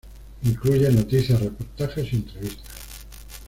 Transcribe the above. Incluye noticias, reportajes y entrevistas.